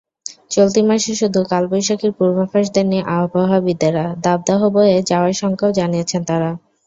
চলতি মাসে শুধু কালবৈশাখীর পূর্বাভাস দেননি আবহাওয়াবিদেরা, দাবদাহ বয়ে যাওয়ার শঙ্কাও জানিয়েছেন তাঁরা।